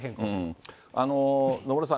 野村さん、